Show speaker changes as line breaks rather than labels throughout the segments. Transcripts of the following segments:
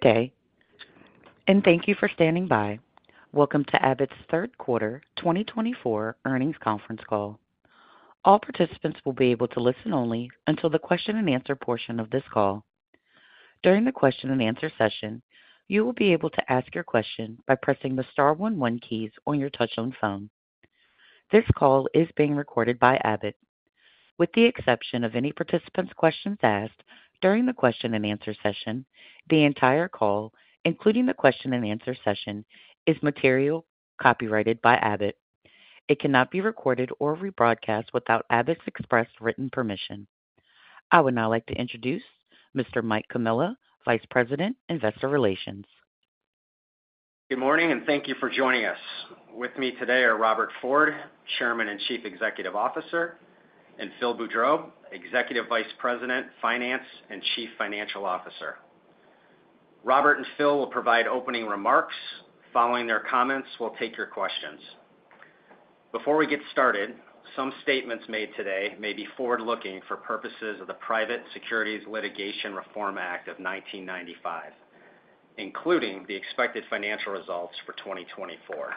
Good day, and thank you for standing by Welcome to Abbott's Third Quarter 2024 Earnings Conference Call. All participants will be able to listen only until the question and answer portion of this call. During the question and answer session, you will be able to ask your question by pressing the star one, one keys on your touchtone phone. This call is being recorded by Abbott. With the exception of any participant's questions asked during the question and answer session, the entire call, including the question and answer session, is material copyrighted by Abbott. It cannot be recorded or rebroadcast without Abbott's express written permission. I would now like to introduce Mr. Mike Comilla, Vice President, Investor Relations.
Good morning, and thank you for joining us. With me today are Robert Ford, Chairman and Chief Executive Officer, and Phil Boudreau, Executive Vice President, Finance and Chief Financial Officer. Robert and Phil will provide opening remarks. Following their comments, we'll take your questions. Before we get started, some statements made today may be forward-looking for purposes of the Private Securities Litigation Reform Act of 1995, including the expected financial results for 2024.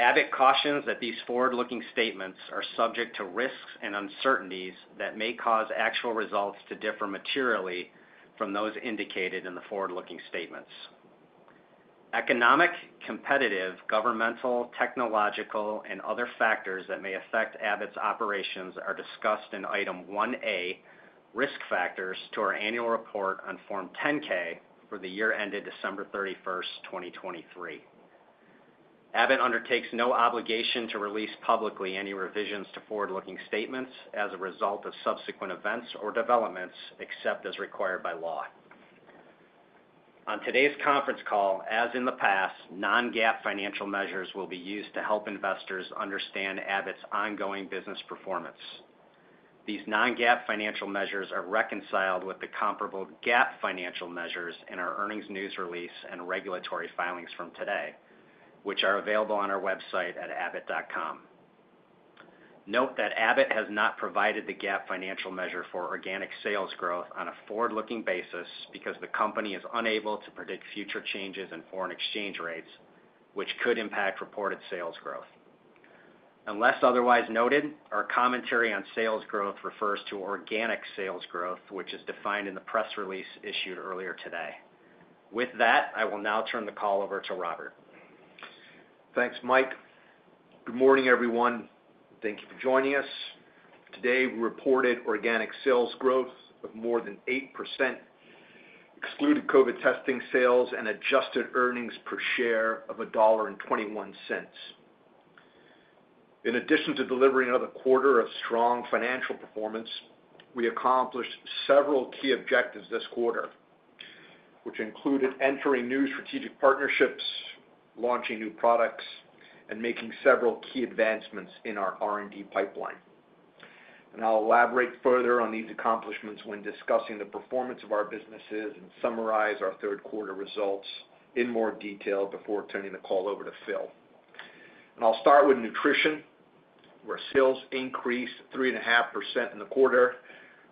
Abbott cautions that these forward-looking statements are subject to risks and uncertainties that may cause actual results to differ materially from those indicated in the forward-looking statements. Economic, competitive, governmental, technological, and other factors that may affect Abbott's operations are discussed in Item 1A, Risk Factors, to our annual report on Form 10-K for the year ended December 31, 2023. Abbott undertakes no obligation to release publicly any revisions to forward-looking statements as a result of subsequent events or developments, except as required by law. On today's conference call, as in the past, non-GAAP financial measures will be used to help investors understand Abbott's ongoing business performance. These non-GAAP financial measures are reconciled with the comparable GAAP financial measures in our earnings news release and regulatory filings from today, which are available on our website at abbott.com. Note that Abbott has not provided the GAAP financial measure for organic sales growth on a forward-looking basis because the company is unable to predict future changes in foreign exchange rates, which could impact reported sales growth. Unless otherwise noted, our commentary on sales growth refers to organic sales growth, which is defined in the press release issued earlier today. With that, I will now turn the call over to Robert.
Thanks, Mike. Good morning, everyone. Thank you for joining us. Today, we reported organic sales growth of more than 8%, excluding COVID testing sales and adjusted earnings per share of $1.21. In addition to delivering another quarter of strong financial performance, we accomplished several key objectives this quarter, which included entering new strategic partnerships, launching new products, and making several key advancements in our R&D pipeline. And I'll elaborate further on these accomplishments when discussing the performance of our businesses and summarize our third quarter results in more detail before turning the call over to Phil. And I'll start with Nutrition, where sales increased 3.5% in the quarter.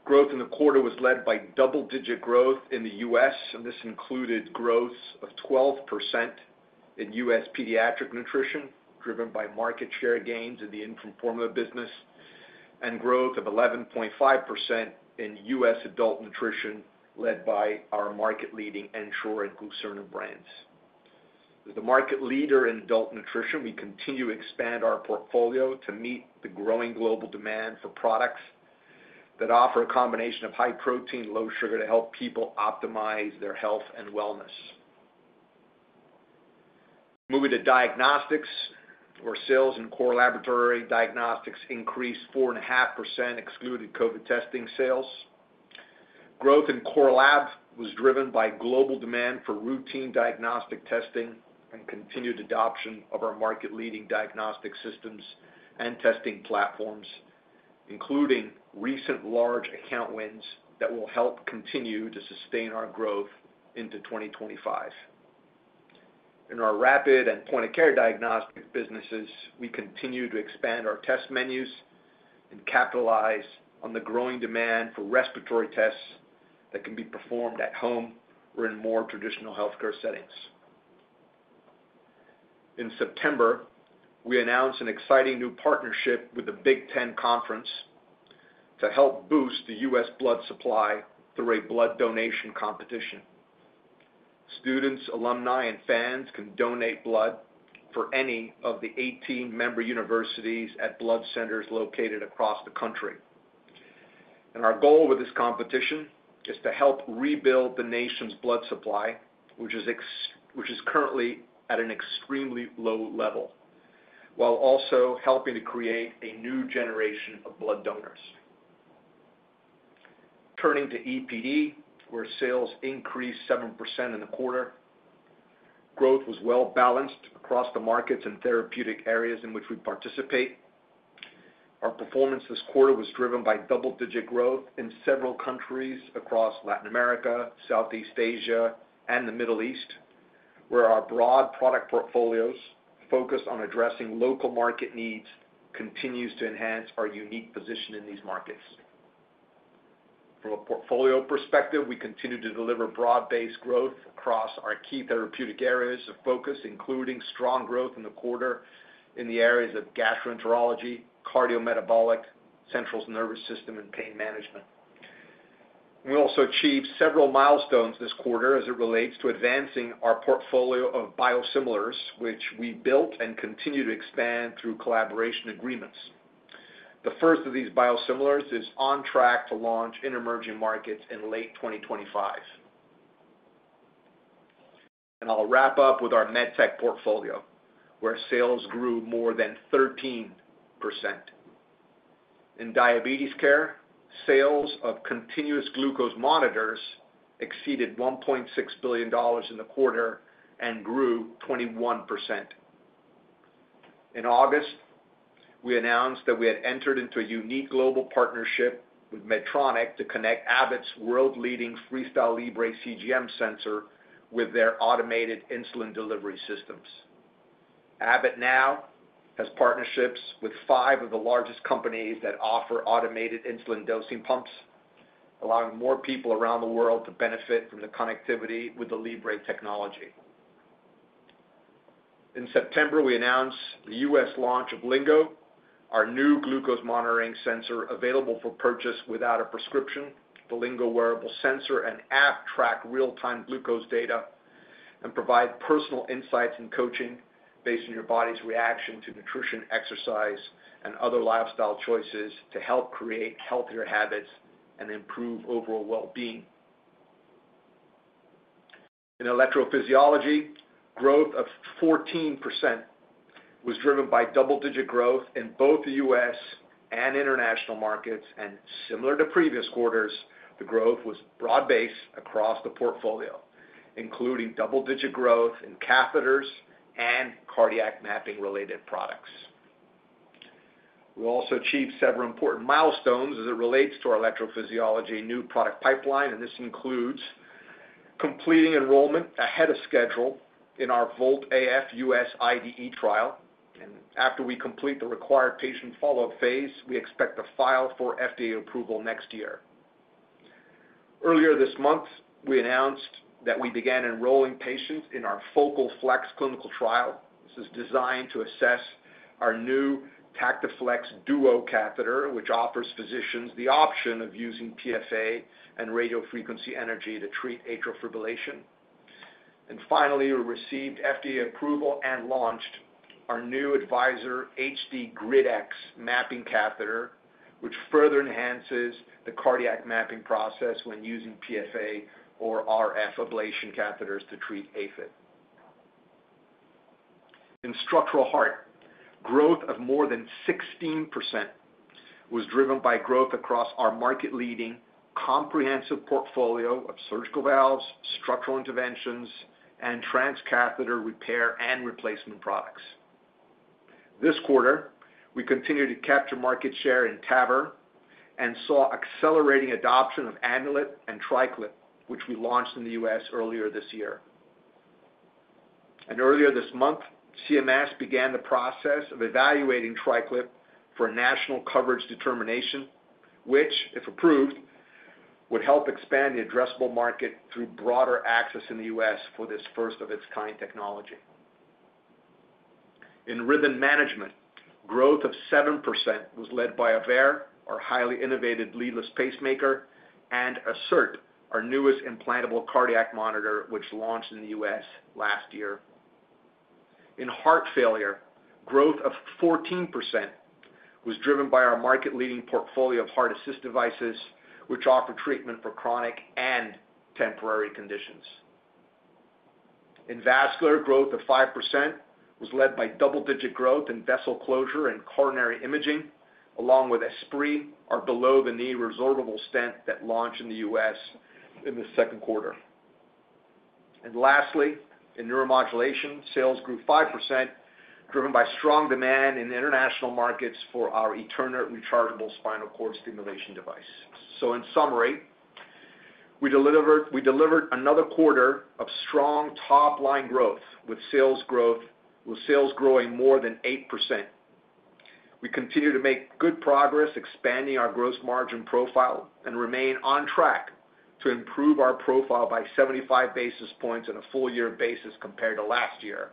Growth in the quarter was led by double-digit growth in the U.S., and this included growth of 12% in U.S. Pediatric Nutrition, driven by market share gains in the infant formula business, and growth of 11.5% in U.S. Adult Nutrition, led by our market-leading Ensure and Glucerna brands. As the market leader in Adult Nutrition, we continue to expand our portfolio to meet the growing global demand for products that offer a combination of high protein, low sugar, to help people optimize their health and wellness. Moving to Diagnostics, where sales in Core Laboratory Diagnostics increased 4.5%, excluding COVID testing sales. Growth in Core Lab was driven by global demand for routine diagnostic testing and continued adoption of our market-leading diagnostic systems and testing platforms, including recent large account wins that will help continue to sustain our growth into 2025. In our Rapid and Point-of-Care Diagnostic businesses, we continue to expand our test menus and capitalize on the growing demand for respiratory tests that can be performed at home or in more traditional healthcare settings. In September, we announced an exciting new partnership with the Big Ten Conference to help boost the U.S. blood supply through a blood donation competition. Students, alumni, and fans can donate blood for any of the 18 member universities at blood centers located across the country. Our goal with this competition is to help rebuild the nation's blood supply, which is currently at an extremely low level, while also helping to create a new generation of blood donors. Turning to EPD, where sales increased 7% in the quarter, growth was well balanced across the markets and therapeutic areas in which we participate. Our performance this quarter was driven by double-digit growth in several countries across Latin America, Southeast Asia, and the Middle East, where our broad product portfolios, focused on addressing local market needs, continues to enhance our unique position in these markets. From a portfolio perspective, we continue to deliver broad-based growth across our key therapeutic areas of focus, including strong growth in the quarter in the areas of gastroenterology, cardiometabolic, central nervous system, and pain management. We also achieved several milestones this quarter as it relates to advancing our portfolio of biosimilars, which we built and continue to expand through collaboration agreements. The first of these biosimilars is on track to launch in emerging markets in late 2025, and I'll wrap up with our MedTech portfolio, where sales grew more than 13%. In Diabetes Care, sales of continuous glucose monitors exceeded $1.6 billion in the quarter and grew 21%. In August, we announced that we had entered into a unique global partnership with Medtronic to connect Abbott's world-leading FreeStyle Libre CGM sensor with their automated insulin delivery systems. Abbott now has partnerships with five of the largest companies that offer automated insulin dosing pumps, allowing more people around the world to benefit from the connectivity with the Libre technology. In September, we announced the U.S. launch of Lingo, our new glucose monitoring sensor available for purchase without a prescription. The Lingo wearable sensor and app track real-time glucose data and provide personal insights and coaching based on your body's reaction to nutrition, exercise, and other lifestyle choices to help create healthier habits and improve overall well-being. In Electrophysiology, growth of 14% was driven by double-digit growth in both the U.S. and international markets, and similar to previous quarters, the growth was broad-based across the portfolio, including double-digit growth in catheters and cardiac mapping-related products. We also achieved several important milestones as it relates to our electrophysiology new product pipeline, and this includes completing enrollment ahead of schedule in our Volt-AF U.S. IDE trial. After we complete the required patient follow-up phase, we expect to file for FDA approval next year. Earlier this month, we announced that we began enrolling patients in our FocalFlex clinical trial. This is designed to assess our new TactiFlex Duo catheter, which offers physicians the option of using PFA and radiofrequency energy to treat atrial fibrillation. Finally, we received FDA approval and launched our new Advisor HD Grid X mapping catheter, which further enhances the cardiac mapping process when using PFA or RF ablation catheters to treat AFib. In Structural Heart, growth of more than 16% was driven by growth across our market-leading comprehensive portfolio of surgical valves, structural interventions, and transcatheter repair and replacement products. This quarter, we continued to capture market share in TAVR and saw accelerating adoption of Amulet and TriClip, which we launched in the U.S. earlier this year. Earlier this month, CMS began the process of evaluating TriClip for a national coverage determination, which, if approved, would help expand the addressable market through broader access in the U.S. for this first-of-its-kind technology. In Rhythm Management, growth of 7% was led by AVEIR, our highly innovative leadless pacemaker, and Assert, our newest implantable cardiac monitor, which launched in the U.S. last year. In Heart Failure, growth of 14% was driven by our market-leading portfolio of heart assist devices, which offer treatment for chronic and temporary conditions. In Vascular, growth of 5% was led by double-digit growth in vessel closure and coronary imaging, along with Esprit, our below-the-knee resorbable stent that launched in the U.S. in the second quarter. And lastly, in Neuromodulation, sales grew 5%, driven by strong demand in the international markets for our Eterna rechargeable spinal cord stimulation device. In summary, we delivered another quarter of strong top-line growth, with sales growing more than 8%. We continue to make good progress expanding our gross margin profile and remain on track to improve our profile by 75 basis points on a full year basis compared to last year,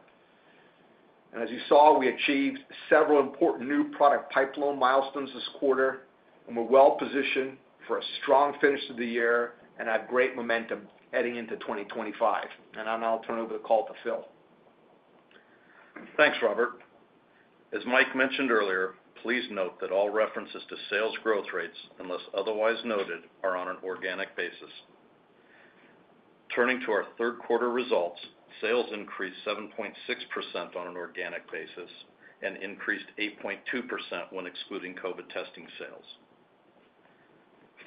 and as you saw, we achieved several important new product pipeline milestones this quarter, and we're well positioned for a strong finish to the year and have great momentum heading into 2025, and I'll now turn over the call to Phil.
Thanks, Robert. As Mike mentioned earlier, please note that all references to sales growth rates, unless otherwise noted, are on an organic basis. Turning to our third quarter results, sales increased 7.6% on an organic basis and increased 8.2% when excluding COVID testing sales.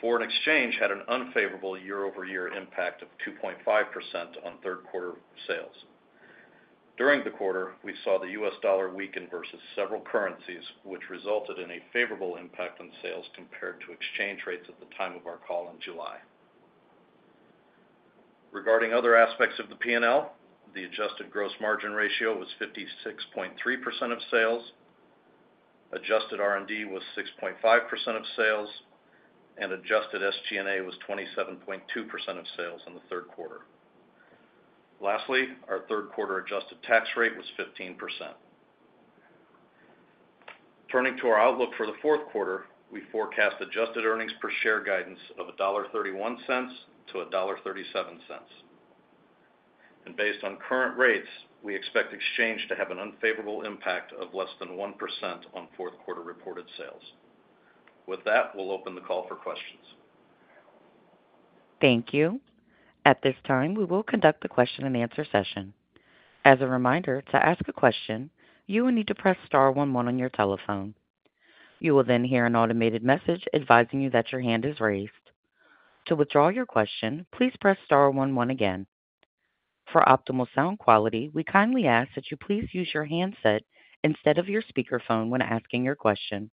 Foreign exchange had an unfavorable year-over-year impact of 2.5% on third quarter sales. During the quarter, we saw the U.S. dollar weaken versus several currencies, which resulted in a favorable impact on sales compared to exchange rates at the time of our call in July. Regarding other aspects of the P&L, the adjusted gross margin ratio was 56.3% of sales. Adjusted R&D was 6.5% of sales, and adjusted SG&A was 27.2% of sales in the third quarter. Lastly, our third quarter adjusted tax rate was 15%. Turning to our outlook for the fourth quarter, we forecast adjusted earnings per share guidance of $1.31-$1.37. And based on current rates, we expect exchange to have an unfavorable impact of less than 1% on fourth quarter reported sales. With that, we'll open the call for questions.
Thank you. At this time, we will conduct the question-and-answer session. As a reminder, to ask a question, you will need to press star one one on your telephone. You will then hear an automated message advising you that your hand is raised. To withdraw your question, please press star one one again. For optimal sound quality, we kindly ask that you please use your handset instead of your speakerphone when asking your question.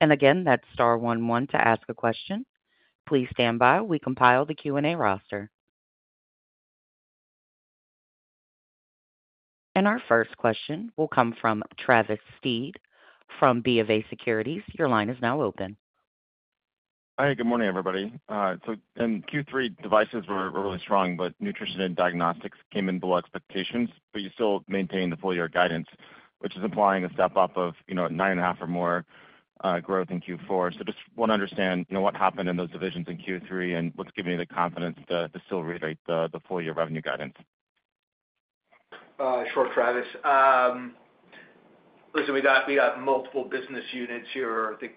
And again, that's star one one to ask a question. Please stand by, we compile the Q&A roster. And our first question will come from Travis Steed from BofA Securities. Your line is now open.
Hi, good morning, everybody. So in Q3, devices were really strong, but Nutrition and Diagnostics came in below expectations, but you still maintained the full year guidance, which is implying a step up of, you know, nine and a half or more growth in Q4. So just want to understand, you know, what happened in those divisions in Q3 and what's giving you the confidence to still reiterate the full year revenue guidance?
Sure, Travis. Listen, we got multiple business units here. I think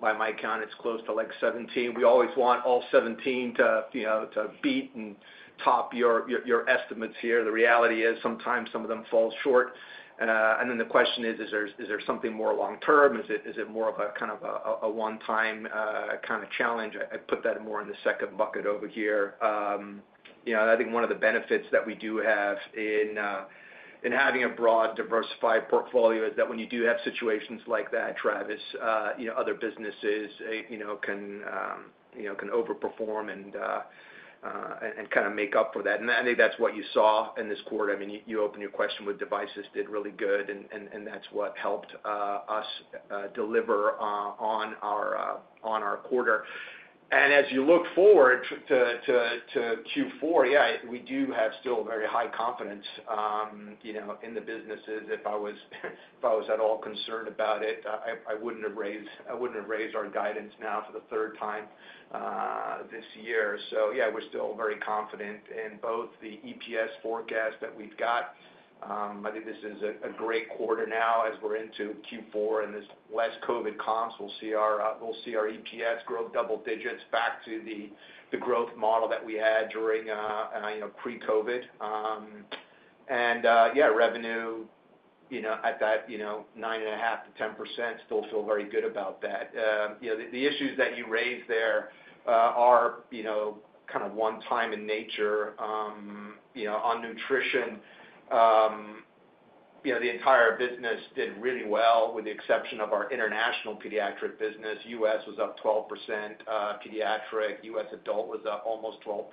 by my count, it's close to, like, 17. We always want all 17 to, you know, to beat and top your estimates here. The reality is, sometimes some of them fall short, and then the question is: Is there something more long term? Is it more of a kind of a one-time kind of challenge? I put that more in the second bucket over here. You know, I think one of the benefits that we do have in having a broad, diversified portfolio is that when you do have situations like that, Travis, you know, other businesses, you know, can overperform and kind of make up for that. I think that's what you saw in this quarter. I mean, you opened your question with devices did really good, and that's what helped us deliver on our quarter. As you look forward to Q4, yeah, we do have still very high confidence, you know, in the businesses. If I was at all concerned about it, I wouldn't have raised our guidance now for the third time this year. Yeah, we're still very confident in both the EPS forecast that we've got. I think this is a great quarter now as we're into Q4, and there's less COVID comps. We'll see our EPS grow double digits back to the growth model that we had during, you know, pre-COVID, and yeah, revenue, you know, at that, you know, 9.5%-10%, still feel very good about that. You know, the issues that you raised there are, you know, kind of one-time in nature. You know, on Nutrition, you know, the entire business did really well, with the exception of our international pediatric business. US was up 12%, pediatric. U.S. adult was up almost 12%.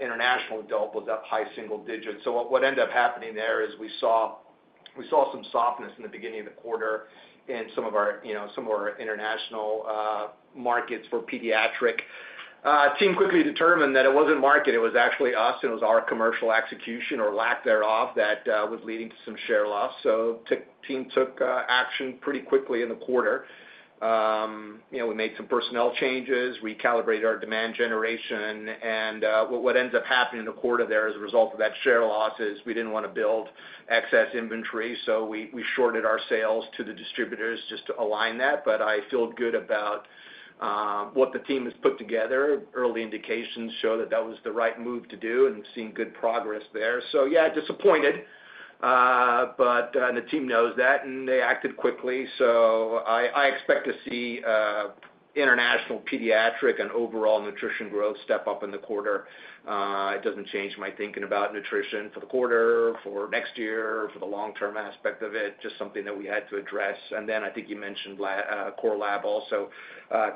International adult was up high single digits. So what ended up happening there is we saw some softness in the beginning of the quarter in some of our, you know, international markets for pediatric. Team quickly determined that it wasn't market, it was actually us, and it was our commercial execution or lack thereof, that was leading to some share loss. So team took action pretty quickly in the quarter. You know, we made some personnel changes. We calibrated our demand generation, and what ends up happening in the quarter there as a result of that share loss is we didn't want to build excess inventory, so we shorted our sales to the distributors just to align that. But I feel good about what the team has put together. Early indications show that that was the right move to do and seeing good progress there. So yeah, disappointed, but, and the team knows that, and they acted quickly. I expect to see international pediatric and overall nutrition growth step up in the quarter. It doesn't change my thinking about nutrition for the quarter, for next year, for the long-term aspect of it, just something that we had to address. I think you mentioned last Core Lab also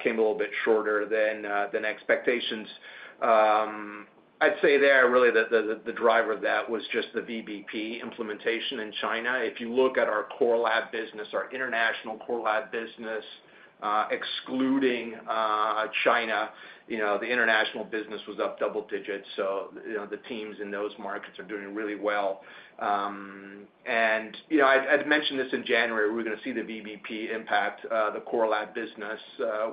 came a little bit shorter than expectations. I'd say there really the driver of that was just the VBP implementation in China. If you look at our Core Lab business, our international Core Lab business excluding China, you know, the international business was up double digits, so you know the teams in those markets are doing really well. I'd mentioned this in January, we were going to see the VBP impact the Core Lab business.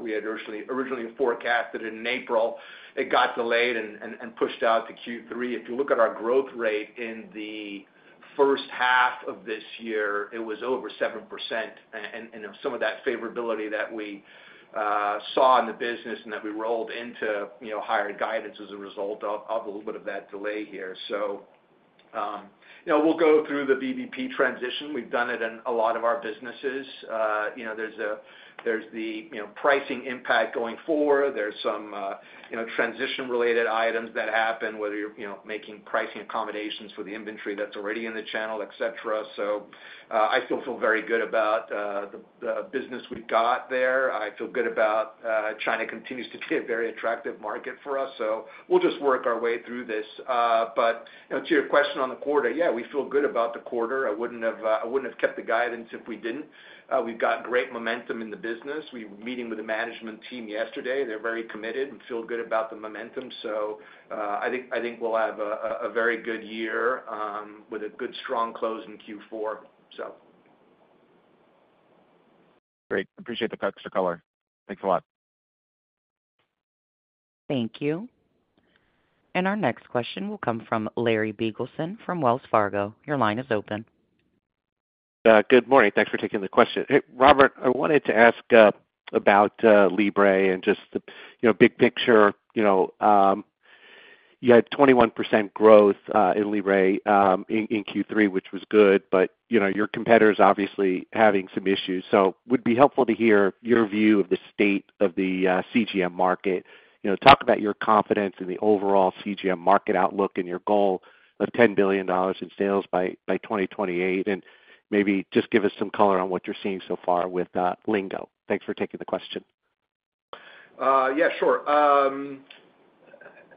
We had originally forecasted in April. It got delayed and pushed out to Q3. If you look at our growth rate in the first half of this year, it was over 7%. And you know, some of that favorability that we saw in the business and that we rolled into you know, higher guidance as a result of a little bit of that delay here. So, you know, we'll go through the VBP transition. We've done it in a lot of our businesses. You know, there's the you know, pricing impact going forward. There's some you know, transition-related items that happen, whether you're you know, making pricing accommodations for the inventory that's already in the channel, et cetera. So, I still feel very good about the business we've got there. I feel good about China continues to be a very attractive market for us, so we'll just work our way through this, but you know, to your question on the quarter, yeah, we feel good about the quarter. I wouldn't have kept the guidance if we didn't. We've got great momentum in the business. We were meeting with the management team yesterday. They're very committed and feel good about the momentum, so I think we'll have a very good year with a good strong close in Q4, so.
Great. Appreciate the extra color. Thanks a lot.
Thank you. And our next question will come from Larry Biegelsen from Wells Fargo. Your line is open.
Good morning. Thanks for taking the question. Hey, Robert, I wanted to ask about Libre and just the, you know, big picture, you know, you had 21% growth in Libre in Q3, which was good, but, you know, your competitor's obviously having some issues. So would be helpful to hear your view of the state of the CGM market. You know, talk about your confidence in the overall CGM market outlook and your goal of $10 billion in sales by 2028, and maybe just give us some color on what you're seeing so far with Lingo. Thanks for taking the question.
Yeah, sure.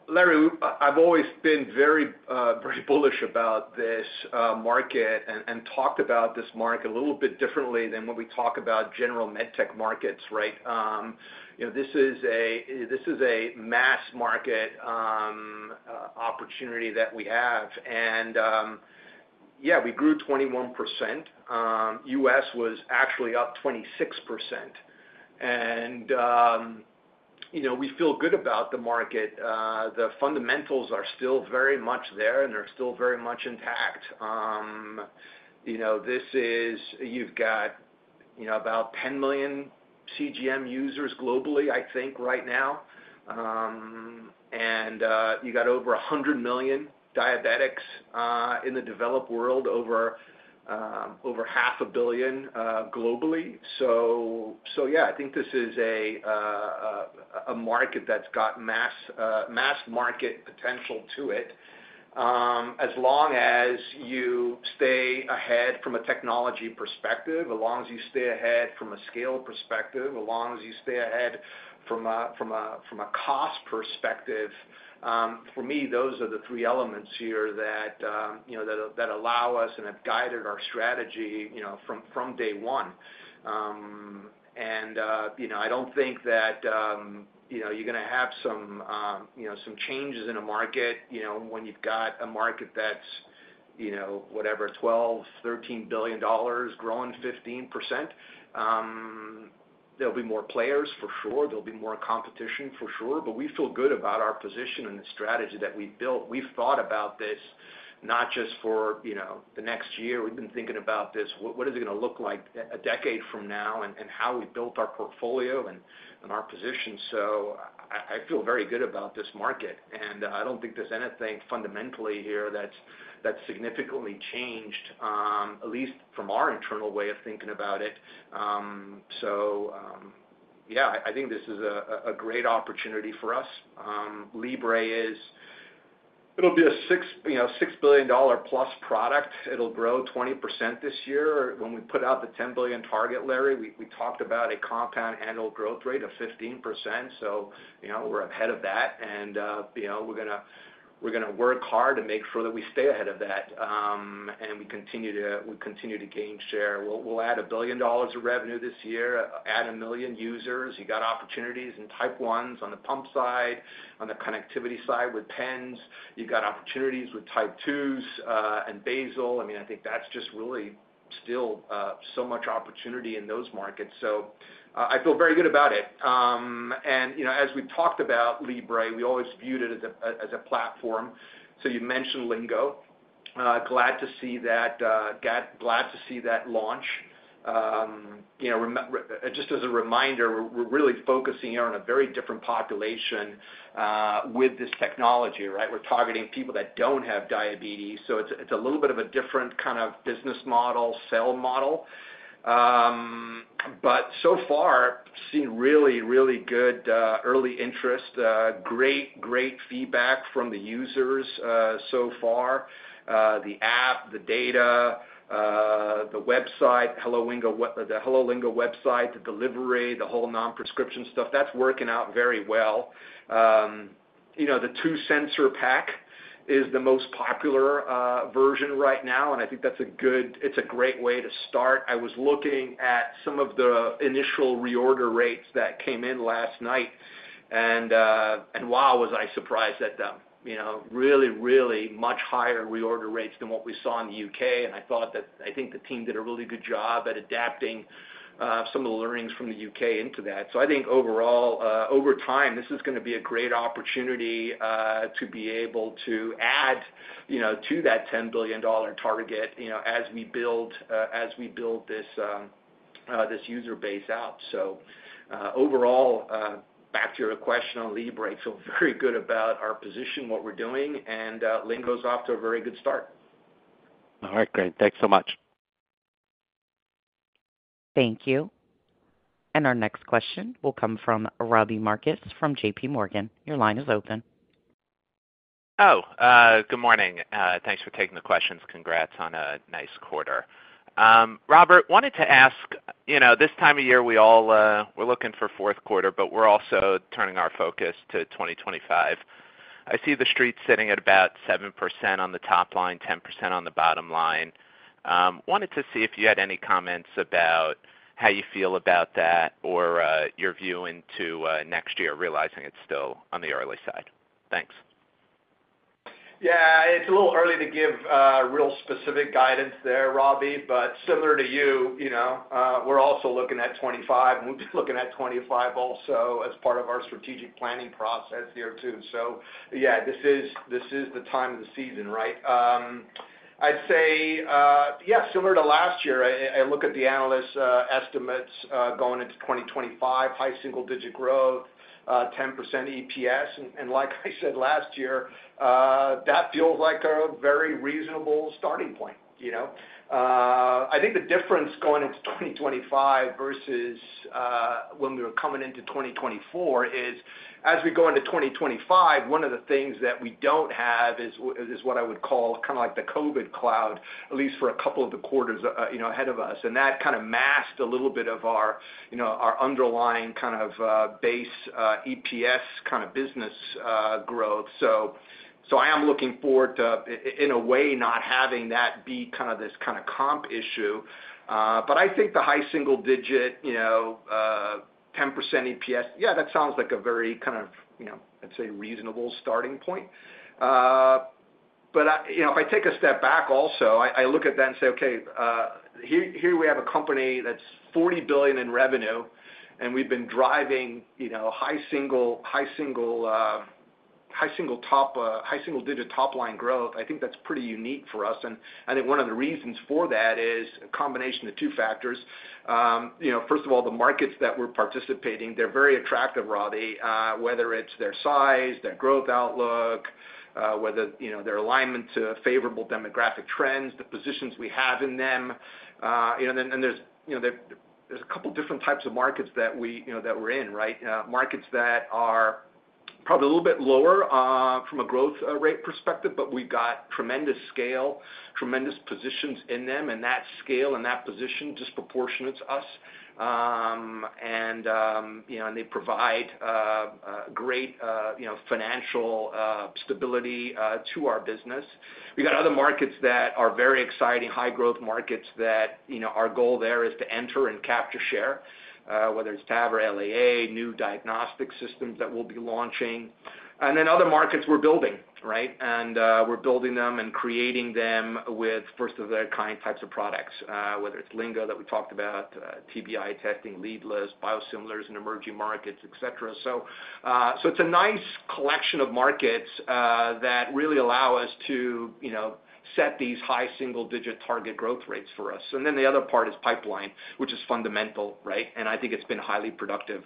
Larry, I've always been very, very bullish about this market and talked about this market a little bit differently than when we talk about general med tech markets, right? You know, this is a mass market opportunity that we have. Yeah, we grew 21%. US was actually up 26%. You know, we feel good about the market. The fundamentals are still very much there, and they're still very much intact. You know, this is. You've got about 10 million CGM users globally, I think, right now. And you got over 100 million diabetics in the developed world, over half a billion globally. So yeah, I think this is a market that's got mass market potential to it. As long as you stay ahead from a technology perspective, as long as you stay ahead from a scale perspective, as long as you stay ahead from a cost perspective, for me, those are the three elements here that you know that allow us and have guided our strategy you know from day one. And you know I don't think that you know you're gonna have some you know some changes in a market you know when you've got a market that's you know whatever $12 billion-$13 billion growing 15%. There'll be more players for sure. There'll be more competition for sure, but we feel good about our position and the strategy that we've built. We've thought about this not just for, you know, the next year. We've been thinking about this, what is it gonna look like a decade from now and how we built our portfolio and our position. So I feel very good about this market, and I don't think there's anything fundamentally here that's significantly changed, at least from our internal way of thinking about it. So yeah, I think this is a great opportunity for us. Libre is, it'll be a $6 billion, you know, $6 billion-plus product. It'll grow 20% this year. When we put out the $10 billion target, Larry, we talked about a compound annual growth rate of 15%. So, you know, we're ahead of that, and you know, we're gonna work hard to make sure that we stay ahead of that, and we continue to gain share. We'll add $1 billion of revenue this year, add 1 million users. You got opportunities in Type 1s on the pump side, on the connectivity side with pens. You've got opportunities with Type 2s and basal. I mean, I think that's just really still so much opportunity in those markets, so I feel very good about it. And you know, as we've talked about Libre, we always viewed it as a platform, so you mentioned Lingo. Glad to see that launch. You know, just as a reminder, we're really focusing here on a very different population with this technology, right? We're targeting people that don't have diabetes, so it's a little bit of a different kind of business model, sales model. But so far, seen really, really good early interest, great, great feedback from the users so far. The app, the data, the website, Hello Lingo, the Hello Lingo website, the delivery, the whole non-prescription stuff, that's working out very well. You know, the two-sensor pack is the most popular version right now, and I think that's a great way to start. I was looking at some of the initial reorder rates that came in last night, and wow, was I surprised at them. You know, really, really much higher reorder rates than what we saw in the U.K., and I thought that. I think the team did a really good job at adapting some of the learnings from the U.K. into that. So I think overall, over time, this is gonna be a great opportunity to be able to add, you know, to that $10 billion target, you know, as we build this user base out. So overall, back to your question on Libre, I feel very good about our position, what we're doing, and Lingo's off to a very good start.
All right, great. Thanks so much!
Thank you. And our next question will come from Robbie Marcus from JP Morgan. Your line is open.
Good morning. Thanks for taking the questions. Congrats on a nice quarter. Robert, wanted to ask, you know, this time of year, we all, we're looking for fourth quarter, but we're also turning our focus to 2025. I see the Street sitting at about 7% on the top line, 10% on the bottom line. Wanted to see if you had any comments about how you feel about that or, your view into, next year, realizing it's still on the early side. Thanks.
Yeah, it's a little early to give real specific guidance there, Robbie, but similar to you, you know, we're also looking at 2025, and we've been looking at 2025 also as part of our strategic planning process here, too. So yeah, this is, this is the time of the season, right? I'd say, yeah, similar to last year, I look at the analysts' estimates going into 2025, high single-digit growth, 10% EPS. And like I said last year, that feels like a very reasonable starting point, you know? I think the difference going into 2025 versus when we were coming into 2024 is, as we go into 2025, one of the things that we don't have is what I would call kind of like the COVID cloud, at least for a couple of the quarters, you know, ahead of us. And that kind of masked a little bit of our, you know, our underlying kind of base EPS kind of business growth. So I am looking forward to in a way not having that be kind of this kind of comp issue. But I think the high single digit, you know, 10% EPS, yeah, that sounds like a very kind of, you know, I'd say reasonable starting point. But you know, if I take a step back also, I look at that and say, okay, here we have a company that's $40 billion in revenue, and we've been driving, you know, high single-digit top line growth. I think that's pretty unique for us, and I think one of the reasons for that is a combination of two factors. You know, first of all, the markets that we're participating, they're very attractive, Robbie, whether it's their size, their growth outlook, whether you know, their alignment to favorable demographic trends, the positions we have in them. And then there's a couple different types of markets that we're in, right? Markets that are probably a little bit lower from a growth rate perspective, but we've got tremendous scale, tremendous positions in them, and that scale and that position disproportionates us, and you know, they provide a great, you know, financial stability to our business. We've got other markets that are very exciting, high growth markets that, you know, our goal there is to enter and capture share, whether it's TAVR or LAA, new diagnostic systems that we'll be launching, and then other markets we're building, right, and we're building them and creating them with first-of-their-kind types of products, whether it's Lingo that we talked about, TBI testing, leadless, biosimilars in emerging markets, et cetera. So it's a nice collection of markets that really allow us to, you know, set these high single-digit target growth rates for us. And then the other part is pipeline, which is fundamental, right? And I think it's been highly productive.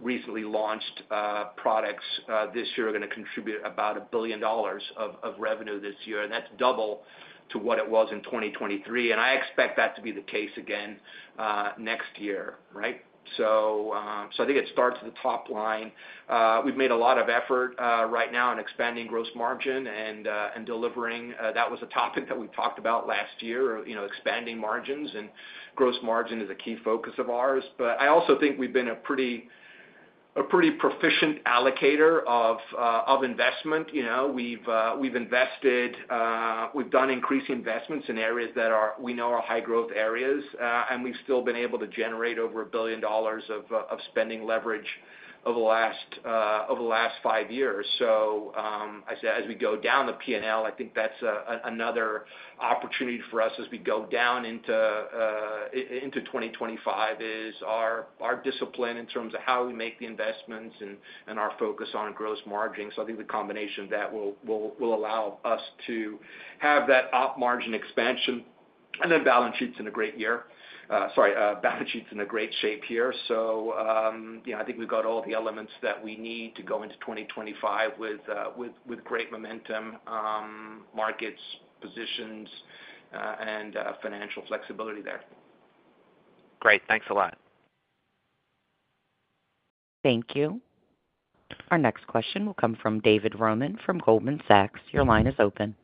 Recently launched products this year are going to contribute about $1 billion of revenue this year, and that's double to what it was in 2023. And I expect that to be the case again next year, right? So I think it starts at the top line. We've made a lot of effort right now in expanding gross margin and delivering. That was a topic that we talked about last year, you know, expanding margins and gross margin is a key focus of ours. But I also think we've been a pretty proficient allocator of investment. You know, we've invested, we've done increased investments in areas that we know are high growth areas, and we've still been able to generate over $1 billion of spending leverage over the last five years. So, I say, as we go down the P&L, I think that's another opportunity for us as we go down into 2025, is our discipline in terms of how we make the investments and our focus on gross margin. So I think the combination of that will allow us to have that op margin expansion. And then balance sheet's in a great year. Sorry, balance sheet's in a great shape here. Yeah, I think we've got all the elements that we need to go into 2025 with great momentum, markets, positions, and financial flexibility there.
Great, thanks a lot.
Thank you. Our next question will come from David Roman from Goldman Sachs. Your line is open.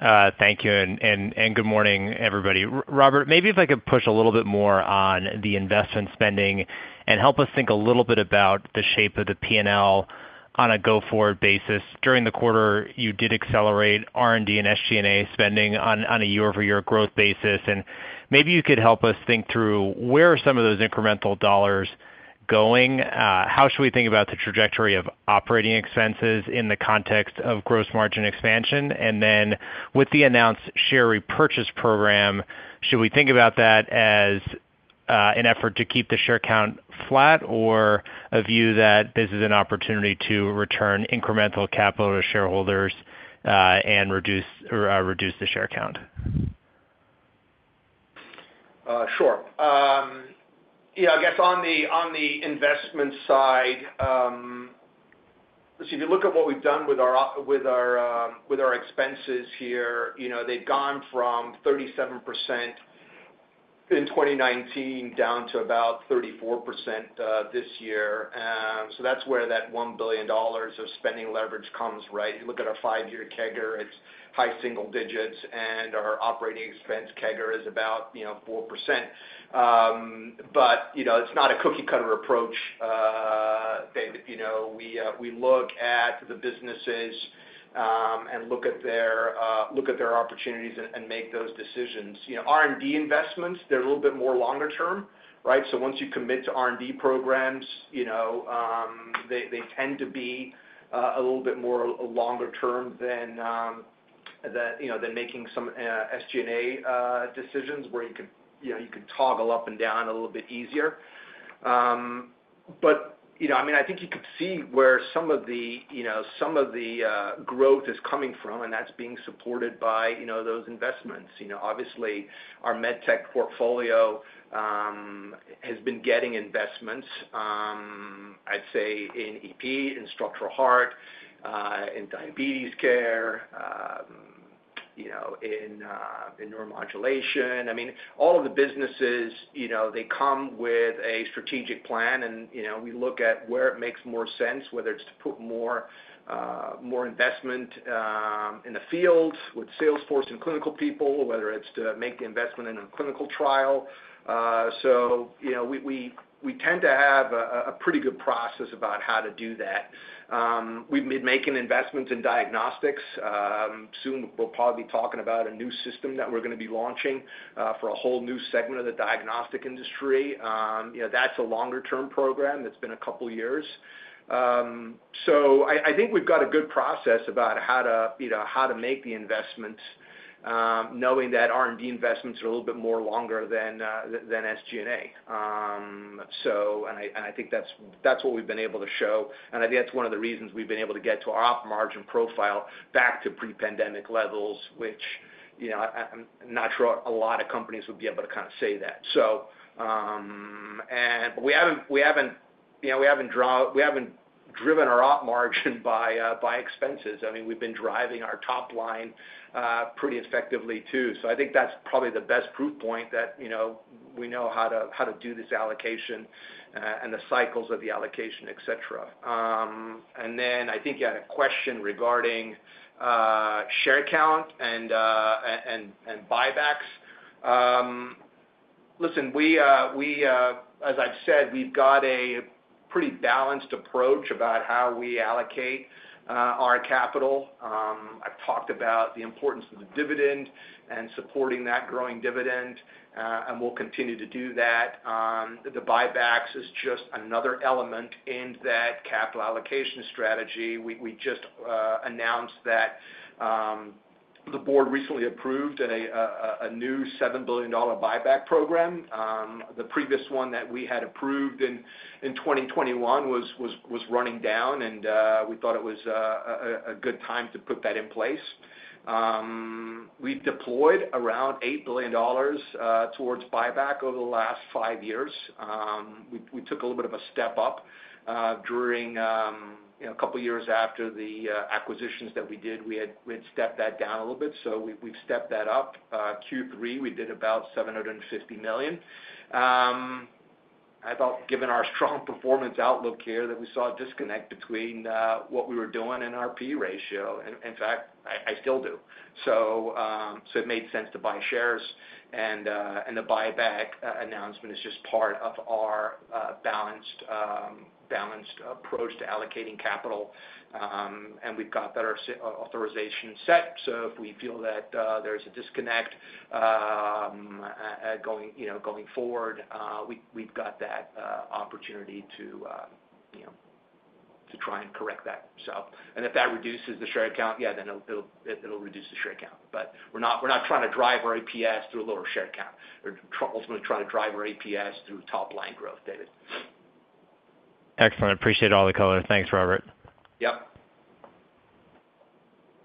Thank you, and good morning, everybody. Robert, maybe if I could push a little bit more on the investment spending and help us think a little bit about the shape of the P&L on a go-forward basis. During the quarter, you did accelerate R&D and SG&A spending on a year-over-year growth basis, and maybe you could help us think through where some of those incremental dollars are going? How should we think about the trajectory of operating expenses in the context of gross margin expansion? And then, with the announced share repurchase program, should we think about that as an effort to keep the share count flat or a view that this is an opportunity to return incremental capital to shareholders, and reduce the share count?
Sure. Yeah, I guess on the investment side, so if you look at what we've done with our expenses here, you know, they've gone from 37% in 2019 down to about 34% this year. So that's where that $1 billion of spending leverage comes, right? You look at our five-year CAGR, it's high single digits, and our operating expense CAGR is about, you know, 4%. But, you know, it's not a cookie cutter approach, David. You know, we look at the businesses and look at their opportunities and make those decisions. You know, R&D investments, they're a little bit more longer term, right? So once you commit to R&D programs, you know, they tend to be a little bit more longer term than, you know, than making some SG&A decisions where you could, you know, you could toggle up and down a little bit easier. But, you know, I mean, I think you could see where some of the, you know, some of the growth is coming from, and that's being supported by, you know, those investments. You know, obviously, our MedTech portfolio has been getting investments. I'd say in EP, in Structural Heart, in Diabetes Care, you know, in Neuromodulation. I mean, all of the businesses, you know, they come with a strategic plan, and, you know, we look at where it makes more sense, whether it's to put more more investment in the field with sales force and clinical people, or whether it's to make the investment in a clinical trial. So, you know, we tend to have a pretty good process about how to do that. We've been making investments in Diagnostics. Soon, we'll probably be talking about a new system that we're gonna be launching for a whole new segment of the diagnostic industry. You know, that's a longer-term program. It's been a couple of years. I think we've got a good process about how to, you know, how to make the investments, knowing that R&D investments are a little bit more longer than SG&A. So, I think that's what we've been able to show, and I think that's one of the reasons we've been able to get to our op margin profile back to pre-pandemic levels, which, you know, I'm not sure a lot of companies would be able to kind of say that. So, we haven't, you know, we haven't driven our op margin by expenses. I mean, we've been driving our top line pretty effectively, too. So I think that's probably the best proof point that, you know, we know how to do this allocation, and the cycles of the allocation, et cetera, and then I think you had a question regarding share count and buybacks. Listen, we, as I've said, we've got a pretty balanced approach about how we allocate our capital. I've talked about the importance of the dividend and supporting that growing dividend, and we'll continue to do that. The buybacks is just another element in that capital allocation strategy. We just announced that the board recently approved a new $7 billion buyback program. The previous one that we had approved in 2021 was running down, and we thought it was a good time to put that in place. We've deployed around $8 billion towards buyback over the last five years. We took a little bit of a step up during you know a couple of years after the acquisitions that we did. We had stepped that down a little bit, so we've stepped that up. Q3, we did about $750 million. I thought, given our strong performance outlook here, that we saw a disconnect between what we were doing and our P/E ratio, and in fact, I still do. So, so it made sense to buy shares, and, and the buyback announcement is just part of our balanced, balanced approach to allocating capital. And we've got better share authorization set, so if we feel that there's a disconnect going, you know, going forward, we've got that opportunity to, you know, to try and correct that. So, and if that reduces the share count, yeah, then it'll reduce the share count. But we're not trying to drive our EPS through a lower share count. We're ultimately trying to drive our EPS through top-line growth, David.
Excellent. Appreciate all the color. Thanks, Robert.
Yep.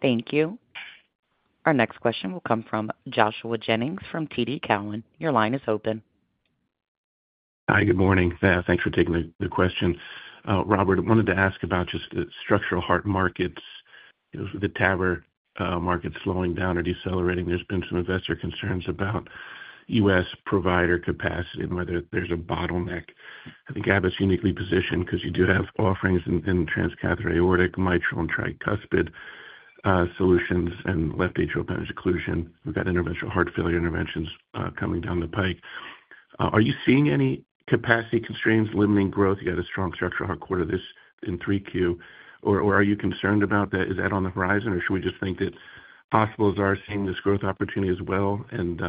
Thank you. Our next question will come from Joshua Jennings, from TD Cowen. Your line is open.
Hi, good morning. Thanks for taking the question. Robert, I wanted to ask about just the Structural Heart markets. You know, with the TAVR market slowing down or decelerating, there's been some investor concerns about U.S. provider capacity and whether there's a bottleneck. I think Abbott is uniquely positioned because you do have offerings in transcatheter aortic mitral and tricuspid solutions and left atrial appendage occlusion. We've got interventional heart failure interventions coming down the pike. Are you seeing any capacity constraints limiting growth? You had a strong Structural Heart quarter this in 3Q, or are you concerned about that? Is that on the horizon, or should we just think that hospitals are seeing this growth opportunity as well and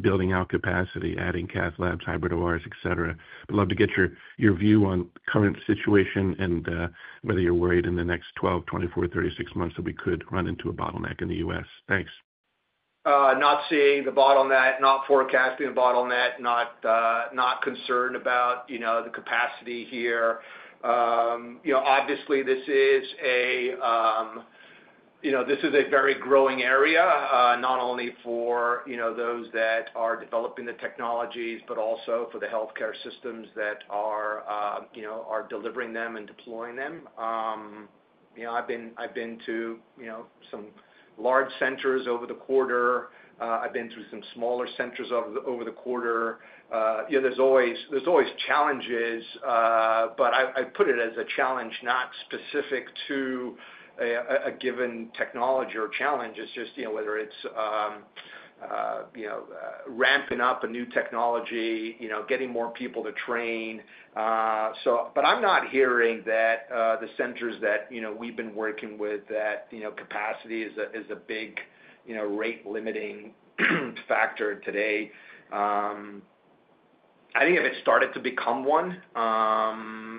building out capacity, adding cath labs, hybrid ORs, et cetera? I'd love to get your view on current situation and whether you're worried in the next 12, 24, 36 months that we could run into a bottleneck in the U.S. Thanks.
Not seeing the bottleneck, not forecasting the bottleneck, not concerned about, you know, the capacity here. You know, obviously, this is a very growing area, not only for, you know, those that are developing the technologies, but also for the healthcare systems that are, you know, are delivering them and deploying them. You know, I've been to, you know, some large centers over the quarter. I've been to some smaller centers over the quarter. You know, there's always challenges, but I put it as a challenge, not specific to a given technology or challenge. It's just, you know, whether it's ramping up a new technology, you know, getting more people to train. So, but I'm not hearing that the centers that, you know, we've been working with, that, you know, capacity is a big, you know, rate-limiting factor today. I think if it started to become one,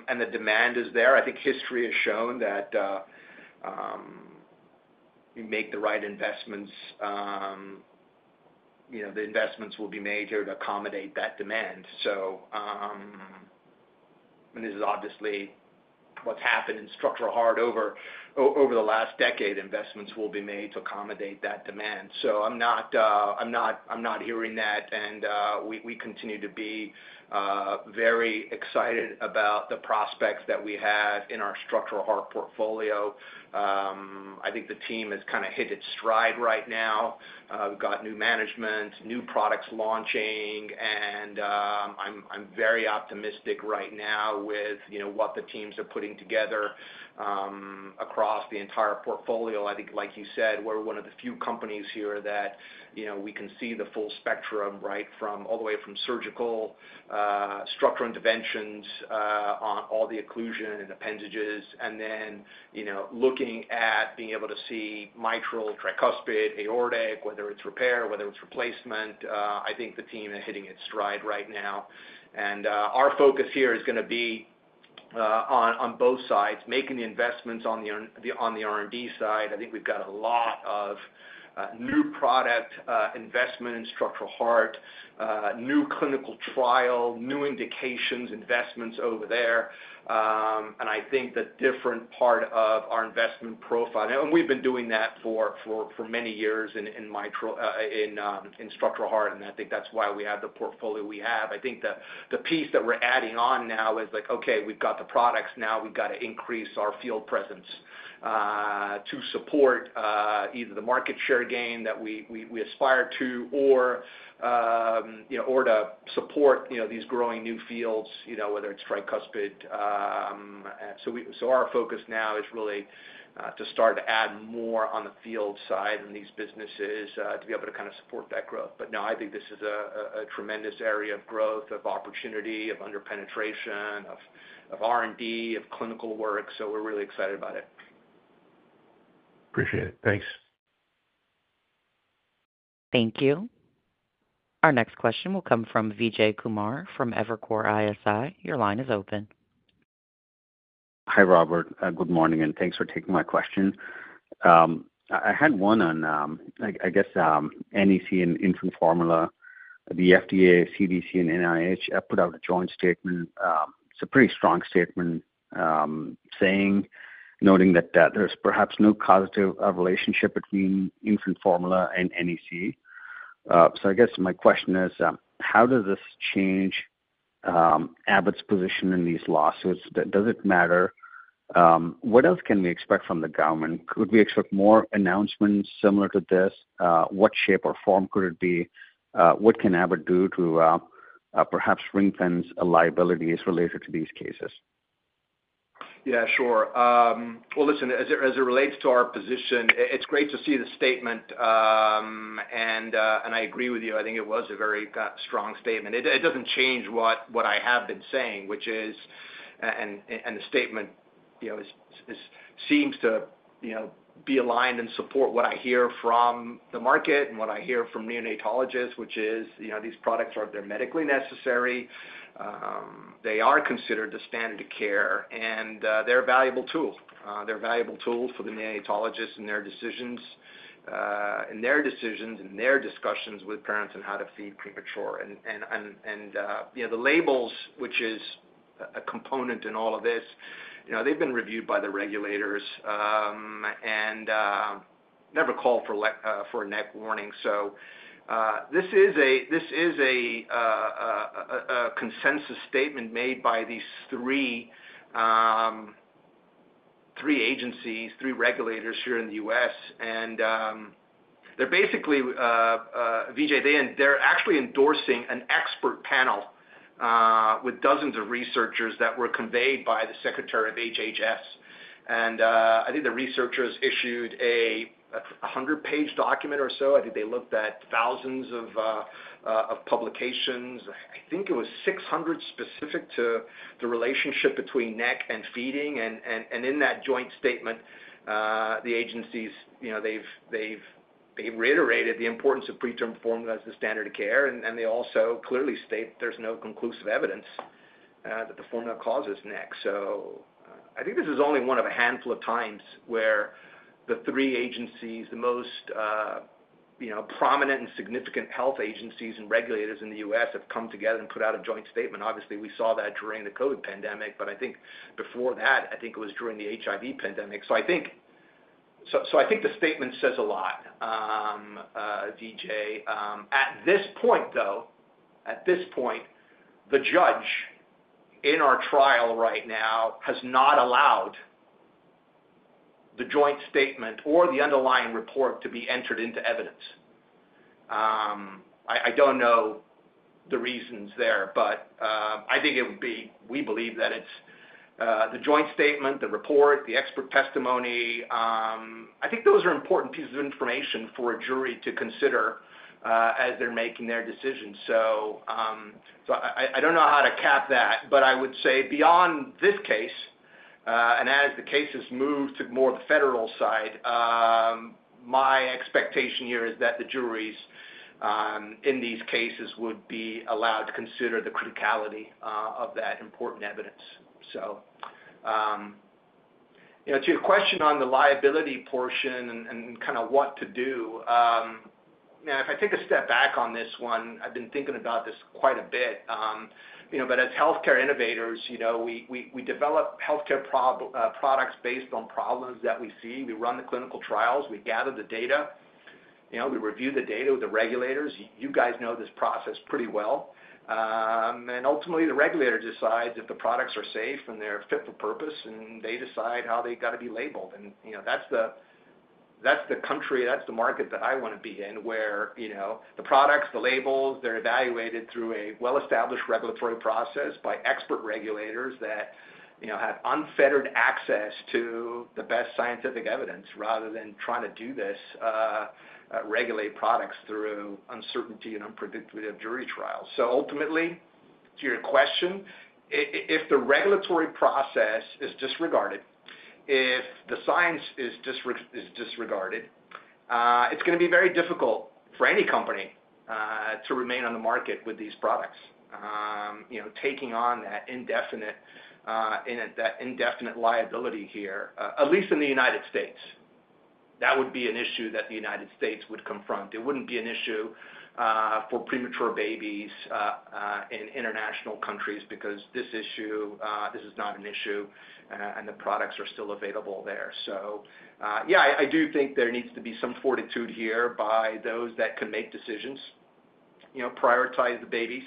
and the demand is there, I think history has shown that you make the right investments, you know, the investments will be made here to accommodate that demand. So, and this is obviously what's happened in Structural Heart over the last decade. Investments will be made to accommodate that demand. I'm not hearing that, and we continue to be very excited about the prospects that we have in our structural heart portfolio. I think the team has kind of hit its stride right now. We've got new management, new products launching, and I'm very optimistic right now with, you know, what the teams are putting together across the entire portfolio. I think, like you said, we're one of the few companies here that, you know, we can see the full spectrum, right? From all the way from surgical, structural interventions on all the occlusion and appendages, and then, you know, looking at being able to see mitral, tricuspid, aortic, whether it's repair, whether it's replacement. I think the team is hitting its stride right now. Our focus here is gonna be on both sides, making the investments on the R&D side. I think we've got a lot of new product investment in Structural Heart, new clinical trial, new indications, investments over there. I think the different part of our investment profile. We've been doing that for many years in mitral, in Structural Heart, and I think that's why we have the portfolio we have. I think the piece that we're adding on now is like, okay, we've got the products, now we've got to increase our field presence to support either the market share gain that we aspire to or, you know, or to support, you know, these growing new fields, you know, whether it's tricuspid. So our focus now is really to start to add more on the field side in these businesses to be able to kind of support that growth. But no, I think this is a tremendous area of growth, of opportunity, of under-penetration, of R&D, of clinical work, so we're really excited about it.
Appreciate it. Thanks.
Thank you. Our next question will come from Vijay Kumar from Evercore ISI. Your line is open.
Hi, Robert. Good morning, and thanks for taking my question. I had one on, like I guess, NEC and infant formula. The FDA, CDC, and NIH have put out a joint statement. It's a pretty strong statement, saying, noting that there's perhaps no causative relationship between infant formula and NEC. So I guess my question is: How does this change Abbott's position in these lawsuits? Does it matter? What else can we expect from the government? Could we expect more announcements similar to this? What shape or form could it be? What can Abbott do to perhaps ring-fence liabilities related to these cases?
Yeah, sure. Well, listen, as it relates to our position, it's great to see the statement. And I agree with you, I think it was a very strong statement. It doesn't change what I have been saying, which is, and the statement, you know, seems to, you know, be aligned and support what I hear from the market and what I hear from neonatologists, which is, you know, these products are medically necessary, they are considered the standard of care, and they're a valuable tool. They're a valuable tool for the neonatologists in their decisions, in their discussions with parents on how to feed premature. You know, the labels, which is a component in all of this, you know, they've been reviewed by the regulators, and never called for a black box warning. This is a consensus statement made by these three agencies, three regulators here in the U.S. They're basically, Vijay, they're actually endorsing an expert panel with dozens of researchers that were convened by the Secretary of HHS. I think the researchers issued a hundred-page document or so. I think they looked at thousands of publications. I think it was 600 specific to the relationship between NEC and feeding. And in that joint statement, the agencies, you know, they've reiterated the importance of preterm formula as the standard of care, and they also clearly state there's no conclusive evidence that the formula causes NEC. So I think this is only one of a handful of times where the three agencies, the most, you know, prominent and significant health agencies and regulators in the U.S. have come together and put out a joint statement. Obviously, we saw that during the COVID pandemic, but I think before that, I think it was during the HIV pandemic. So I think the statement says a lot, Vijay. At this point, though, the judge in our trial right now has not allowed the joint statement or the underlying report to be entered into evidence. I don't know the reasons there, but I think it would be. We believe that it's the joint statement, the report, the expert testimony. I think those are important pieces of information for a jury to consider as they're making their decisions. So I don't know how to cap that, but I would say beyond this case and as the cases move to more of the federal side, my expectation here is that the juries in these cases would be allowed to consider the criticality of that important evidence. So, you know, to your question on the liability portion and kind of what to do, you know, if I take a step back on this one, I've been thinking about this quite a bit, you know, but as healthcare innovators, you know, we develop healthcare products based on problems that we see. We run the clinical trials, we gather the data, you know, we review the data with the regulators. You guys know this process pretty well. And ultimately, the regulator decides if the products are safe and they're fit for purpose, and they decide how they got to be labeled. You know, that's the, that's the country, that's the market that I want to be in, where, you know, the products, the labels, they're evaluated through a well-established regulatory process by expert regulators that, you know, have unfettered access to the best scientific evidence, rather than trying to do this, regulate products through uncertainty and unpredictability of jury trials. So ultimately, to your question, if the regulatory process is disregarded, if the science is disregarded, it's going to be very difficult for any company to remain on the market with these products. You know, taking on that indefinite liability here, at least in the United States, that would be an issue that the United States would confront. It wouldn't be an issue for premature babies in international countries because this issue, this is not an issue, and the products are still available there. So, yeah, I do think there needs to be some fortitude here by those that can make decisions. You know, prioritize the babies,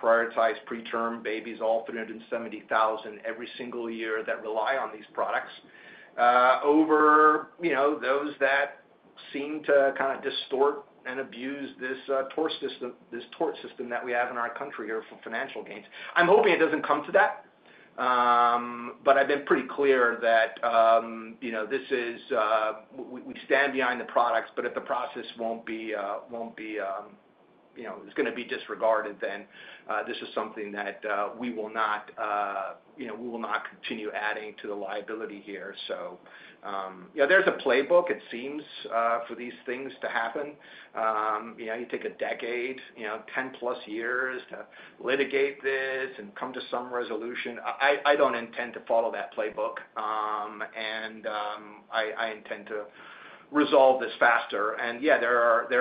prioritize preterm babies, all 370,000 every single year that rely on these products over, you know, those that seem to kind of distort and abuse this tort system that we have in our country here for financial gains. I'm hoping it doesn't come to that, but I've been pretty clear that, you know, this is We stand behind the products, but if the process won't be, you know, is going to be disregarded, then this is something that we will not, you know, continue adding to the liability here. So yeah, there's a playbook, it seems, for these things to happen. You know, you take a decade, you know, ten plus years to litigate this and come to some resolution. I don't intend to follow that playbook, and I intend to resolve this faster. Yeah, there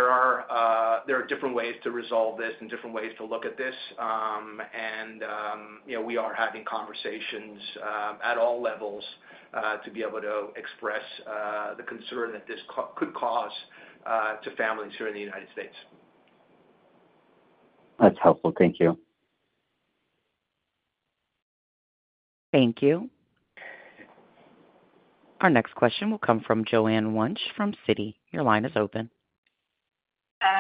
are different ways to resolve this and different ways to look at this. You know, we are having conversations at all levels to be able to express the concern that this could cause to families here in the United States.
That's helpful. Thank you.
Thank you. Our next question will come from Joanne Wuensch from Citi. Your line is open.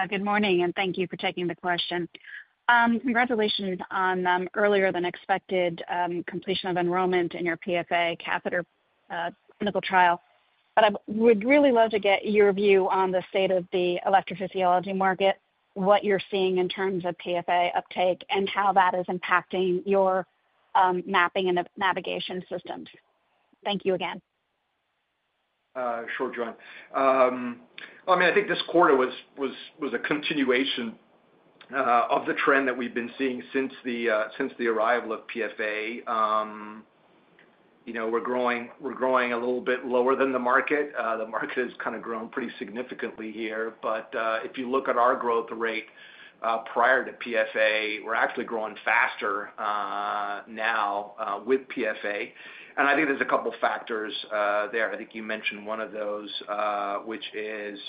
Good morning, and thank you for taking the question. Congratulations on earlier than expected completion of enrollment in your PFA catheter clinical trial. But I would really love to get your view on the state of the Electrophysiology market, what you're seeing in terms of PFA uptake, and how that is impacting your mapping and navigation systems. Thank you again.
Sure, Joanne. I mean, I think this quarter was a continuation of the trend that we've been seeing since the arrival of PFA. You know, we're growing a little bit lower than the market. The market has kind of grown pretty significantly here, but if you look at our growth rate prior to PFA, we're actually growing faster now with PFA. And I think there's a couple factors there. I think you mentioned one of those, which is,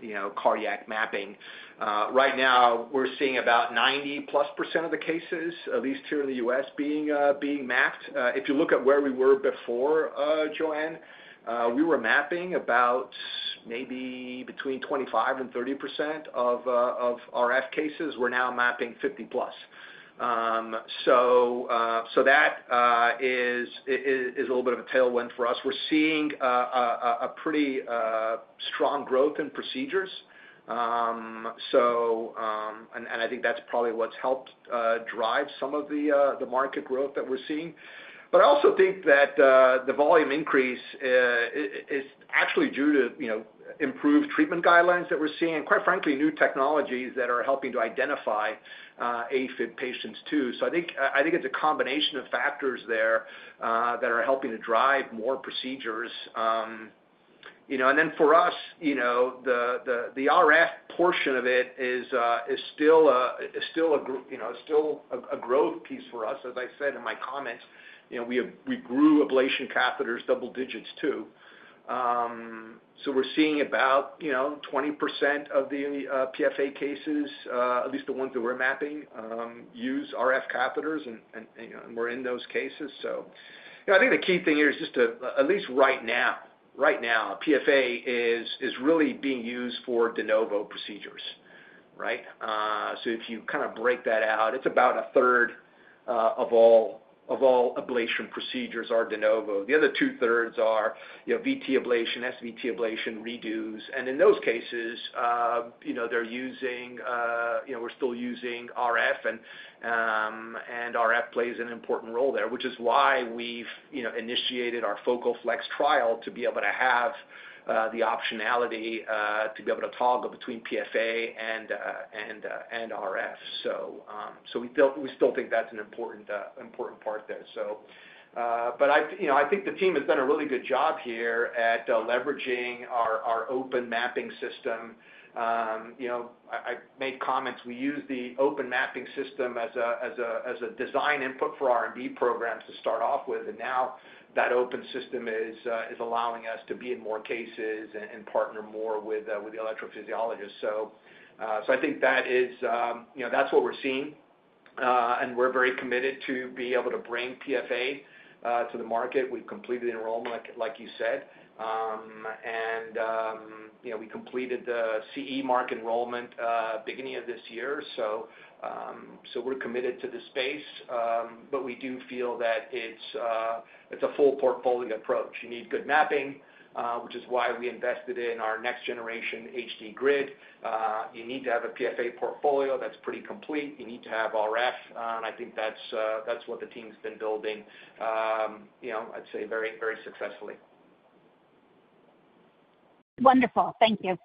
you know, cardiac mapping. Right now, we're seeing about 90+% of the cases, at least here in the U.S., being mapped. If you look at where we were before, Joanne, we were mapping about maybe between 25% and 30% of RF cases. We're now mapping 50 plus. So that is a little bit of a tailwind for us. We're seeing a pretty strong growth in procedures. So and I think that's probably what's helped drive some of the market growth that we're seeing. But I also think that the volume increase is actually due to, you know, improved treatment guidelines that we're seeing, and quite frankly, new technologies that are helping to identify AFib patients, too. So I think it's a combination of factors there that are helping to drive more procedures. You know, and then for us, you know, the RF portion of it is still a growth piece for us. As I said in my comments, you know, we grew ablation catheters double digits, too. So we're seeing about, you know, 20% of the PFA cases, at least the ones that we're mapping, use RF catheters, and, you know, and we're in those cases. So, you know, I think the key thing here is just to, at least right now, PFA is really being used for de novo procedures, right? So if you kind of break that out, it's about a third of all ablation procedures are de novo. The other two-thirds are, you know, VT ablation, SVT ablation redos. And in those cases, you know, they're using, you know, we're still using RF, and RF plays an important role there, which is why we've, you know, initiated our FocalFlex trial to be able to have the optionality to be able to toggle between PFA and RF. So we still think that's an important part there. So, but I, you know, I think the team has done a really good job here at leveraging our open mapping system. You know, I made comments. We use the open mapping system as a design input for our R&D programs to start off with, and now that open system is allowing us to be in more cases and partner more with the electrophysiologist. So, I think that is, you know, that's what we're seeing, and we're very committed to be able to bring PFA to the market. We've completed enrollment, like you said. And, you know, we completed the CE Mark enrollment beginning of this year, so we're committed to the space. But we do feel that it's a full portfolio approach. You need good mapping, which is why we invested in our next generation HD Grid. You need to have a PFA portfolio that's pretty complete. You need to have RF, and I think that's what the team's been building, you know, I'd say very, very successfully.
Wonderful. Thank you.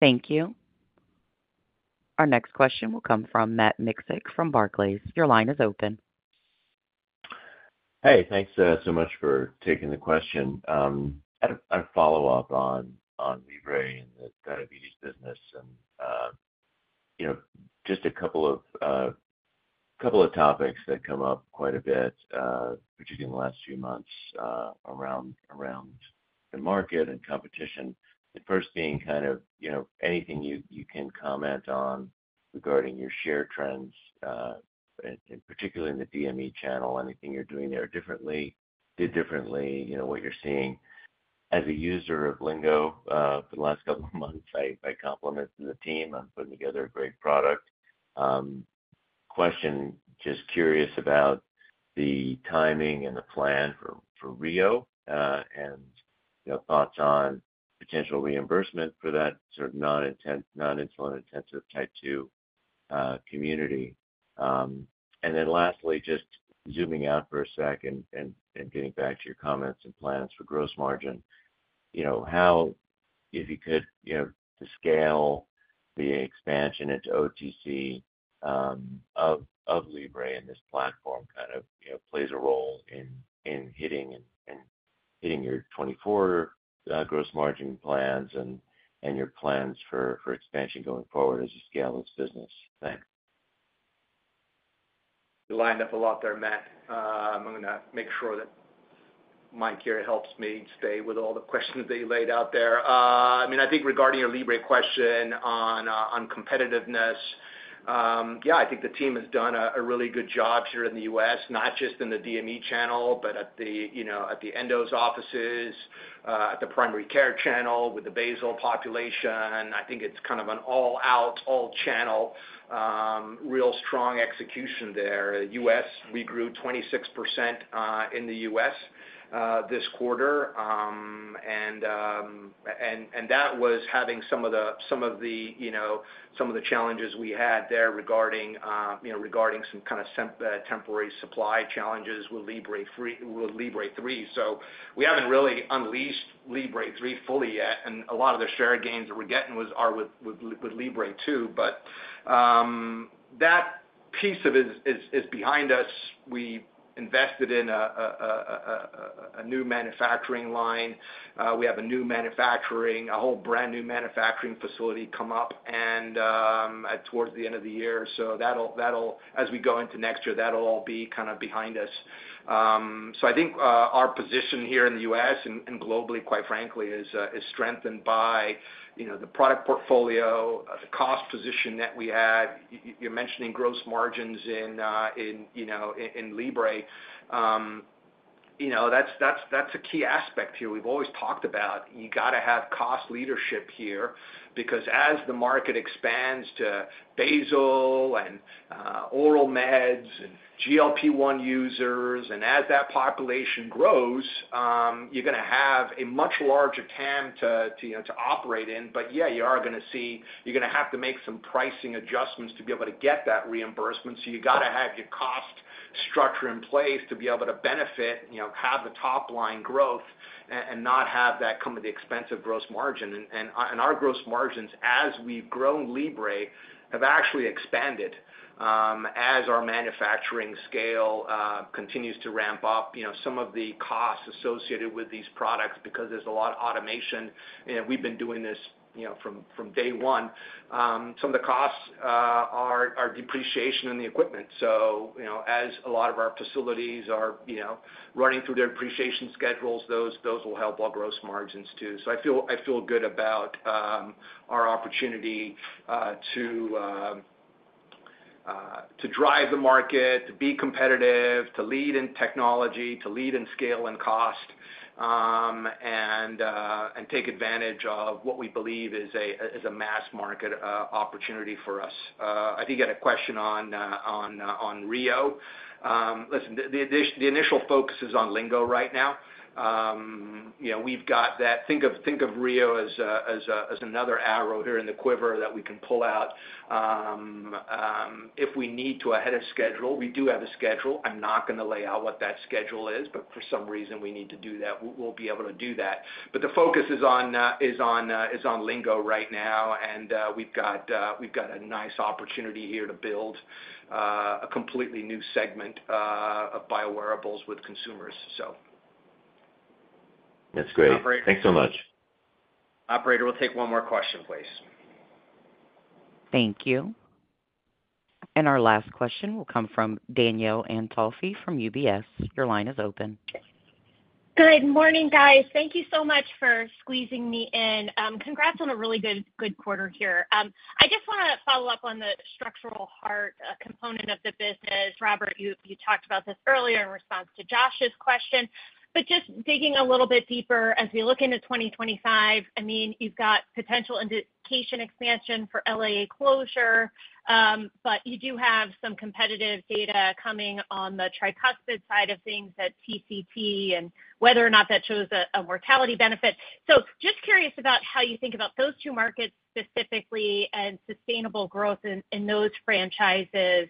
Thank you. Our next question will come from Matt Miksic from Barclays. Your line is open.
Hey, thanks so much for taking the question. I have a follow-up on Libre and the diabetes business, and you know, just a couple of topics that come up quite a bit, particularly in the last few months, around the market and competition. The first being kind of you know, anything you can comment on regarding your share trends, and particularly in the DME channel, anything you're doing there differently, did differently, you know, what you're seeing. As a user of Lingo for the last couple of months, I compliment the team on putting together a great product. Question, just curious about the timing and the plan for Rio, and you know, thoughts on potential reimbursement for that sort of non-insulin intensive Type 2 community. And then lastly, just zooming out for a second and getting back to your comments and plans for gross margin, you know, how, if you could, you know, the scale, the expansion into OTC of Libre and this platform kind of, you know, plays a role in hitting your 2024 gross margin plans and your plans for expansion going forward as you scale this business. Thanks.
You lined up a lot there, Matt. I'm gonna make sure that Mike here helps me stay with all the questions that you laid out there. I mean, I think regarding your Libre question on competitiveness, yeah, I think the team has done a really good job here in the U.S., not just in the DME channel, but at the, you know, at the endos offices, at the primary care channel with the basal population. I think it's kind of an all out, all channel, real strong execution there. U.S., we grew 26% in the U.S. this quarter. And that was having some of the challenges we had there regarding, you know, regarding some kind of temporary supply challenges with Libre 3, with Libre 3. So we haven't really unleashed Libre 3 fully yet, and a lot of the share gains that we're getting are with Libre 2. But that piece of it is behind us. We invested in a new manufacturing line. We have a whole brand new manufacturing facility come up and towards the end of the year. So that'll all be kind of behind us as we go into next year. So I think our position here in the U.S. and globally, quite frankly, is strengthened by, you know, the product portfolio, the cost position that we had. You're mentioning gross margins in Libre. You know, that's a key aspect here. We've always talked about you got to have cost leadership here, because as the market expands to basal and oral meds and GLP-1 users, and as that population grows, you're gonna have a much larger TAM to, you know, to operate in. But, yeah, you are gonna have to make some pricing adjustments to be able to get that reimbursement. So you gotta have your cost structure in place to be able to benefit, you know, have the top line growth. and not have that come at the expense of gross margin. And our gross margins, as we've grown Libre, have actually expanded, as our manufacturing scale continues to ramp up, you know, some of the costs associated with these products, because there's a lot of automation, and we've been doing this, you know, from day one. Some of the costs are depreciation in the equipment. So, you know, as a lot of our facilities are running through their depreciation schedules, those will help our gross margins, too. So I feel good about our opportunity to drive the market, to be competitive, to lead in technology, to lead in scale and cost, and take advantage of what we believe is a mass market opportunity for us. I think you had a question on Rio. Listen, the initial focus is on Lingo right now. You know, we've got that. Think of Rio as another arrow here in the quiver that we can pull out if we need to ahead of schedule. We do have a schedule. I'm not gonna lay out what that schedule is, but if for some reason we need to do that, we'll be able to do that. But the focus is on Lingo right now, and we've got a nice opportunity here to build a completely new segment of biowearables with consumers, so.
That's great.
Operator-
Thanks so much.
Operator, we'll take one more question, please.
Thank you. And our last question will come from Danielle Antalffy from UBS. Your line is open.
Good morning, guys. Thank you so much for squeezing me in. Congrats on a really good quarter here. I just wanna follow up on the Structural Heart component of the business. Robert, you talked about this earlier in response to Josh's question. But just digging a little bit deeper, as we look into 2025, I mean, you've got potential indication expansion for LAA closure, but you do have some competitive data coming on the tricuspid side of things at TCT, and whether or not that shows a mortality benefit. So just curious about how you think about those two markets, specifically, and sustainable growth in those franchises.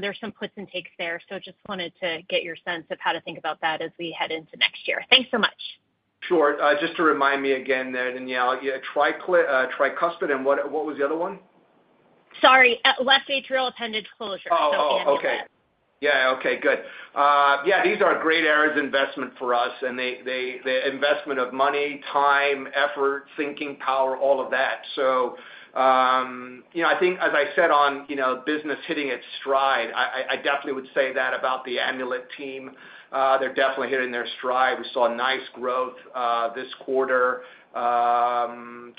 There's some puts and takes there, so just wanted to get your sense of how to think about that as we head into next year. Thanks so much.
Sure. Just to remind me again, then, Danielle, TriClip, tricuspid, and what, what was the other one?
Sorry. Left atrial appendage closure
Oh, okay.
The Amulet.
Yeah, okay, good. Yeah, these are great areas of investment for us, and they the investment of money, time, effort, thinking, power, all of that. So, you know, I think as I said, on, you know, business hitting its stride, I definitely would say that about the Amulet team. They're definitely hitting their stride. We saw nice growth this quarter, 25%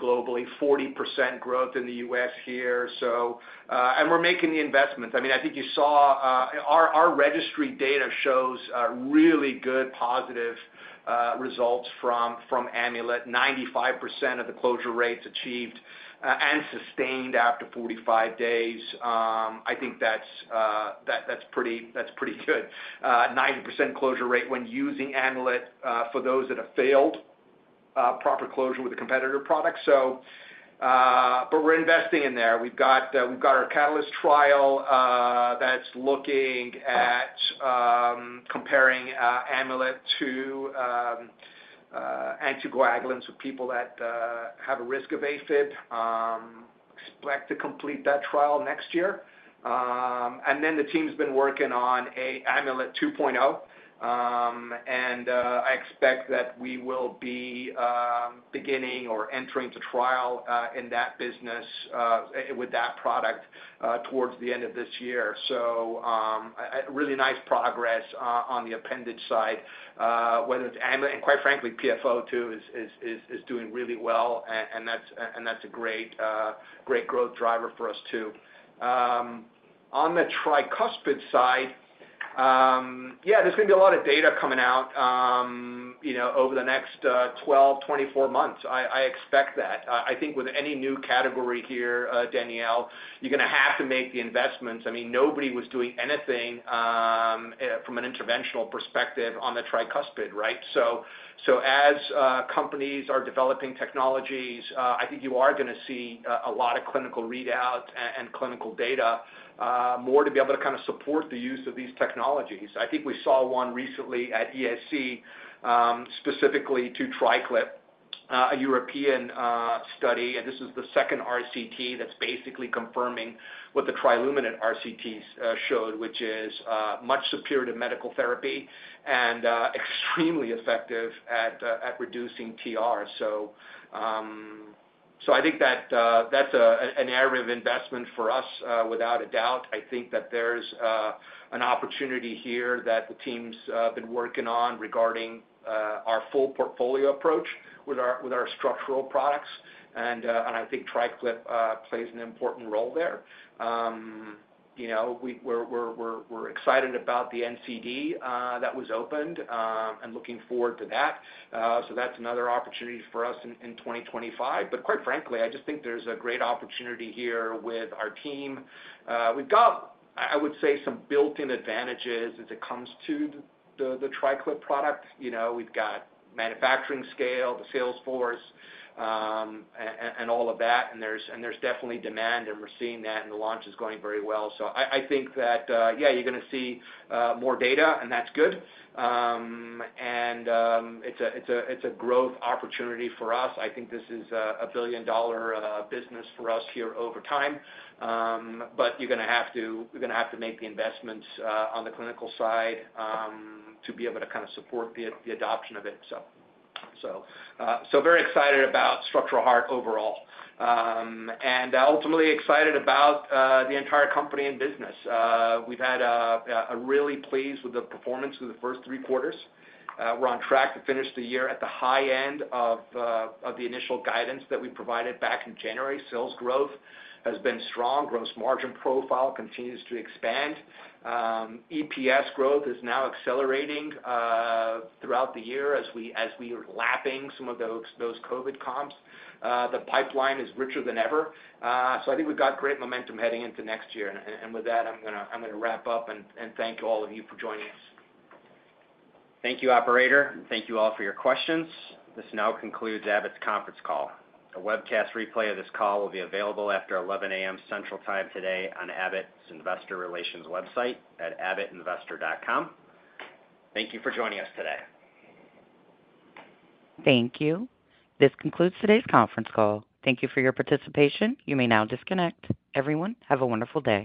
globally, 40% growth in the U.S. here, so. And we're making the investments. I mean, I think you saw our registry data shows really good, positive results from Amulet. 95% of the closure rates achieved and sustained after 45 days. I think that's pretty good. 90% closure rate when using Amulet for those that have failed proper closure with a competitor product. So, but we're investing in there. We've got our CATALYST trial that's looking at comparing Amulet to anticoagulants with people that have a risk of AFib. Expect to complete that trial next year. And then the team's been working on a Amulet 2.0. And I expect that we will be beginning or entering to trial in that business with that product towards the end of this year. So, a really nice progress on the appendage side, whether it's Amulet. And quite frankly, PFO, too is doing really well, and that's a great growth driver for us, too. On the tricuspid side, yeah, there's gonna be a lot of data coming out, you know, over the next 12, 24 months. I expect that. I think with any new category here, Danielle, you're gonna have to make the investments. I mean, nobody was doing anything from an interventional perspective on the tricuspid, right? So as companies are developing technologies, I think you are gonna see a lot of clinical readouts and clinical data more to be able to kind of support the use of these technologies. I think we saw one recently at ESC, specifically to TriClip, a European study, and this is the second RCT that's basically confirming what the TRILUMINATE RCTs showed, which is much superior to medical therapy and extremely effective at reducing TR. So I think that that's an area of investment for us without a doubt. I think that there's an opportunity here that the team's been working on regarding our full portfolio approach with our structural products, and I think TriClip plays an important role there. You know, we're excited about the NCD that was opened and looking forward to that. So that's another opportunity for us in 2025. But quite frankly, I just think there's a great opportunity here with our team. We've got, I would say, some built-in advantages as it comes to the TriClip product. You know, we've got manufacturing scale, the sales force, and all of that, and there's definitely demand, and we're seeing that, and the launch is going very well. So I think that you're gonna see more data, and that's good. And it's a growth opportunity for us. I think this is a billion-dollar business for us here over time. But you're gonna have to make the investments on the clinical side to be able to kind of support the adoption of it. So very excited about Structural Heart overall. Ultimately excited about the entire company and business. We've had really pleased with the performance of the first three quarters. We're on track to finish the year at the high end of the initial guidance that we provided back in January. Sales growth has been strong. Gross margin profile continues to expand. EPS growth is now accelerating throughout the year as we are lapping some of those COVID comps. The pipeline is richer than ever. So I think we've got great momentum heading into next year. With that, I'm gonna wrap up, and thank all of you for joining us.
Thank you, operator. Thank you all for your questions. This now concludes Abbott's conference call. A webcast replay of this call will be available after 11:00 A.M. Central Time today on Abbott's Investor Relations website at abbottinvestor.com. Thank you for joining us today.
Thank you. This concludes today's conference call. Thank you for your participation. You may now disconnect. Everyone, have a wonderful day.